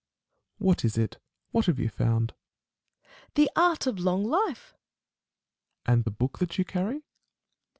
What is it ? What have you found ? Nat. Phil. The art of long life.^ Met. And the book that you carry